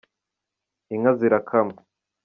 inka zirakamwa.